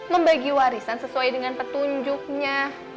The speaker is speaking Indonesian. membagi warisan sesuai dengan petunjuknya